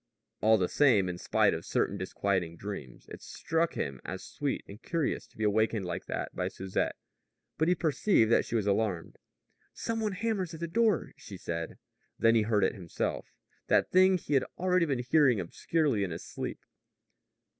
All the same, in spite of certain disquieting dreams, it struck him as sweet and curious to be awakened like that by Susette. But he perceived that she was alarmed. "Some one hammers at the door," she said. Then he heard it himself, that thing he had already been hearing obscurely in his sleep.